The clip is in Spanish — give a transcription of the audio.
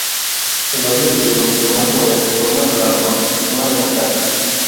El hombre de hielo tomó el poder con una sola razón: "no hacernos caso".